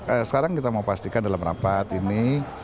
ya nanti sekarang kita mau pastikan dalam rapat ini